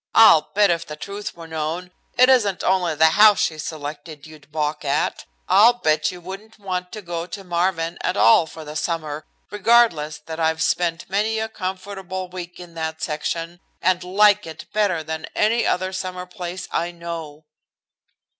I'll bet, if the truth were known, it isn't only the house she selected you'd balk at. I'll bet you wouldn't want to go to Marvin at all for the summer, regardless that I've spent many a comfortable week in that section, and like it better than any other summer place I know."